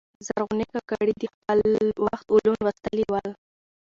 زرغونې کاکړي د خپل وخت علوم لوستلي ول.